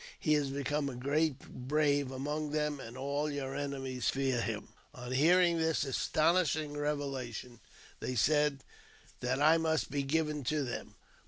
He has become a great brave among them, and all your enemies fear him." On hearing this astonishing revelation, they said that I must be given to them.